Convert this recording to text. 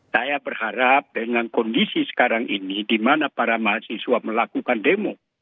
saya berharap dengan kondisi sekarang ini di mana para mahasiswa melakukan demo